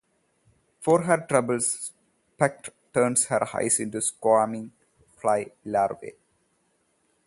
For her troubles, Spectre turns her eyes into squirming fly larvae.